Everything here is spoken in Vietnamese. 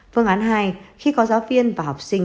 phương án hai khi có giáo viên và học sinh